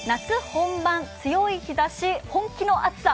本番強い日ざし、本気の暑さ。